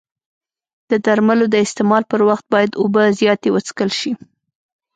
د درملو د استعمال پر وخت باید اوبه زیاتې وڅښل شي.